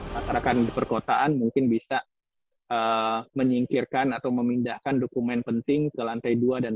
masyarakat di perkotaan mungkin bisa menyingkirkan atau memindahkan dokumen penting ke lantai dua dan tiga